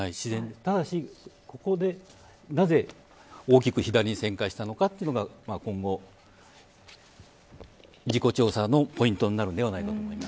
ただし、ここでなぜ大きく左に旋回したのかというのが今後、事故調査のポイントになるのではないかと思います。